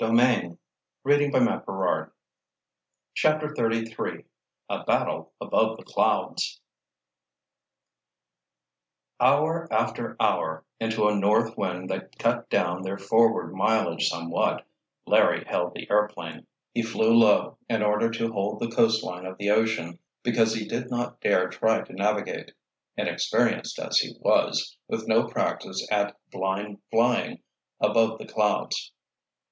It was to have an unexpected outcome. CHAPTER XXXIII A BATTLE ABOVE THE CLOUDS Hour after hour, into a North wind that cut down their forward mileage somewhat, Larry held the airplane. He flew low, in order to hold the coastline of the ocean, because he did not dare try to navigate, inexperienced as he was, with no practice at "blind flying" above the clouds.